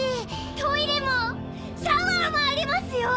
トイレもシャワーもありますよ！